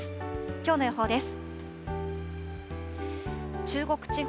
きょうの予報です。